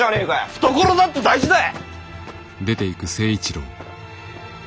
懐だって大事だい！